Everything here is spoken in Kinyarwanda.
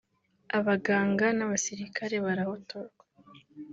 abaganga n’abasilikale barahotorwa